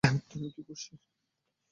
তুমি কি খুশি?